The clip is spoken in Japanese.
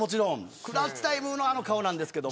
クラッチタイムの顔なんですけど。